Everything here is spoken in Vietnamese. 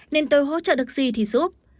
nên tôi hỗ trợ được gì thì giúp